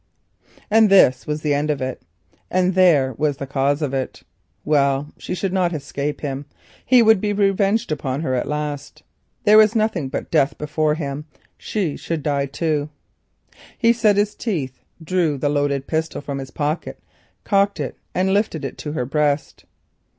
And this was the end of it, and there was the cause of it. Well, she should not escape him; he would be revenged upon her at last. There was nothing but death before him, she should die too. He set his teeth, drew the loaded pistol from his pocket, cocked it and lifted it to her breast.